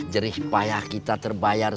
jerih payah kita terbayar